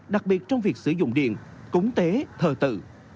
đặc biệt trong việc sử dụng điện cúng tế thờ tự